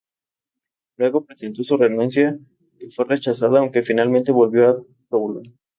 Luego presentó su renuncia, que fue rechazada, aunque finalmente volvió a Toulon.